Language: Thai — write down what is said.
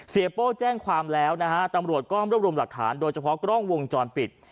โป้แจ้งความแล้วนะฮะตำรวจก็รวบรวมหลักฐานโดยเฉพาะกล้องวงจรปิด